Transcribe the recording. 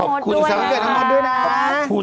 ขอบคุณศุกรรณวันเกิดของคุณโมสด้วยนะขอบคุณ